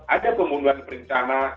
ada pembunuhan perencana